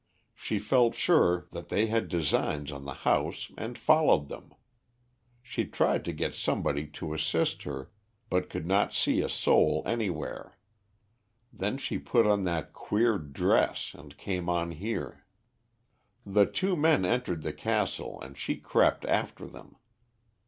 She felt sure that they had designs on the house and followed them. She tried to get somebody to assist her, but could not see a soul anywhere. Then she put on that queer dress and came on here. "The two men entered the castle and she crept after them.